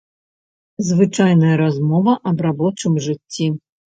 Звычайная размова аб рабочым жыцці.